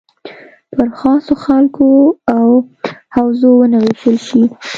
پر خاصو خلکو او حوزو ونه ویشل شي.